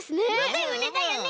だよねだよね！